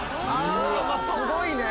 すごいね！